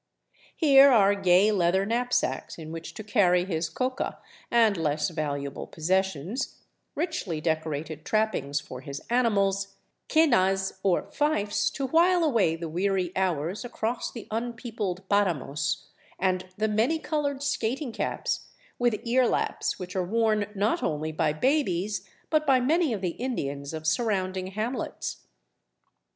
Here are gay leather knapsacks in which to carry his coca and less valuable possessions, richly decorated trappings for his animals, quenas, or fifes, to while away the weary hours across the unpeopled paramos, and the many colored " skating caps " with earlaps which are worn not only by babies, but by many of the Indians of surrounding hamlets.